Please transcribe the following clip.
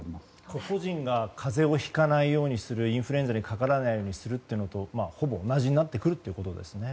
個々人が風邪をひかないようにするインフルエンザにかからないようにするというのとほぼ同じになってくるということですね。